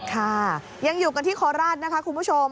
ค่ะยังอยู่กันที่โคราชนะคะคุณผู้ชม